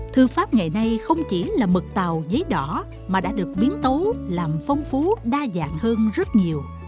thư pháp ngày nay không chỉ là mực tàu giấy đỏ mà đã được biến tấu làm phong phú đa dạng hơn rất nhiều